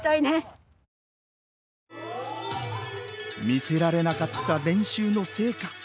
見せられなかった練習の成果。